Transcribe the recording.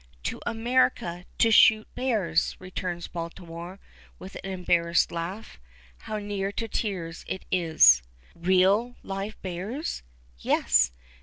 "To America, to shoot bears," returns Baltimore with an embarrassed laugh. How near to tears it is. "Real live bears?" "Yes."